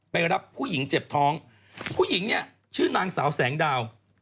รับผู้หญิงเจ็บท้องผู้หญิงเนี่ยชื่อนางสาวแสงดาว